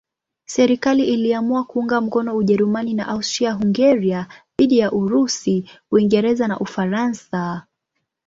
Serikali iliamua kuunga mkono Ujerumani na Austria-Hungaria dhidi ya Urusi, Uingereza na Ufaransa.